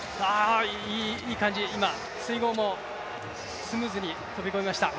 いい感じ、今、水濠もスムーズに跳び越えました。